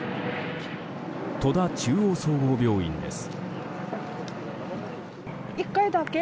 戸田中央総合病院です。